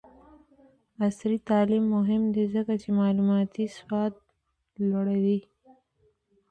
عصري تعلیم مهم دی ځکه چې معلوماتي سواد لوړوي.